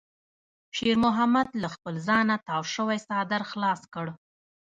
شېرمحمد له خپل ځانه تاو شوی څادر خلاص کړ.